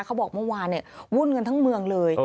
เขาบอกเมื่อวานวุ่นกันทั้งเมืองเลย